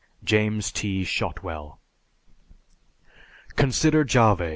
JAMES T. SHOTWELL. _Consider Jahveh.